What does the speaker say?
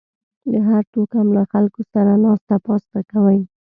د هر توکم له خلکو سره ناسته پاسته کوئ